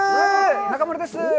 中丸です。